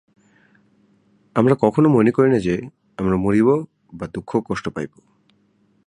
আমরা কখনও মনে করি না যে, আমরা মরিব বা দুঃখকষ্ট পাইব।